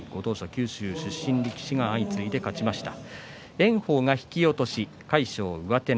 九州出身の力士が相次いで勝ちました。